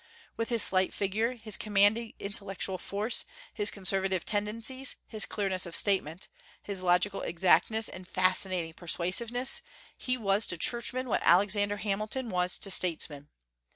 With his slight figure, his commanding intellectual force, his conservative tendencies, his clearness of statement, his logical exactness and fascinating persuasiveness, he was to churchmen what Alexander Hamilton was to statesmen.